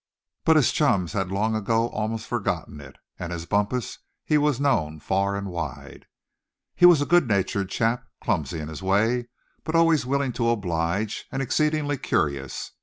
But his chums had long ago almost forgotten it, and as Bumpus he was known far and wide. He was a good natured chap, clumsy in his way, but always willing to oblige, and exceedingly curious.